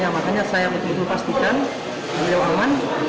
makanya saya betul betul pastikan